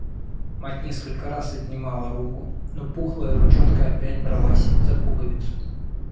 Мать несколько раз отнимала руку, но пухлая ручонка опять бралась за пуговицу.